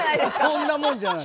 こんなもんじゃない。